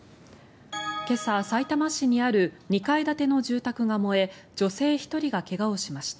今朝、さいたま市にある２階建ての住宅が燃え女性１人が怪我をしました。